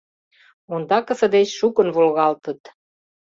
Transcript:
Ондакысе деч шукын волгалтыт.